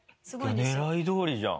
狙いどおりじゃん。